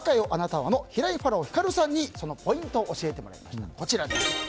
貴方はの平井“ファラオ”光さんにそのポイントを教えてもらいました。